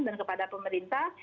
dan kepada pemerintah